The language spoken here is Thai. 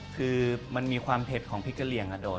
คือมันมีความเผ็ดของพริกกะเหลี่ยงอะโดด